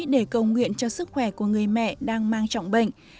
để cầu nguyện cho sức khỏe của người mẹ đang mang trọng bệnh